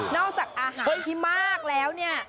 นอกจากอาหารที่มากแล้วนี่